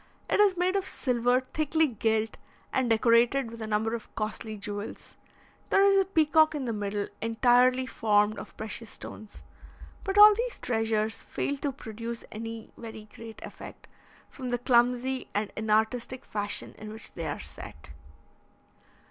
It is made of silver thickly gilt, and decorated with a number of costly jewels; there is a peacock in the middle entirely formed of precious stones; but all these treasures fail to produce any very great effect, from the clumsy and inartistic fashion in which they are set.